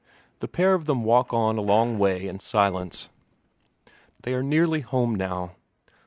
The pair of them walk on a long way in silence; they are nearly home now.